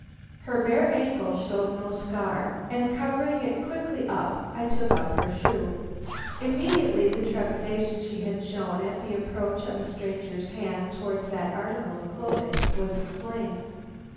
Her bare ankle showed no scar, and covering it quickly up I took up her shoe. Immediately the trepidation she had shown at the approach of a stranger's hand towards that article of clothing was explained.